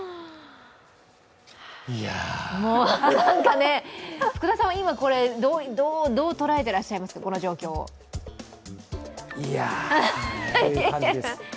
なんかね、福田さんは今、どう捉えていらっしゃいますか、この状況をいやという感じです。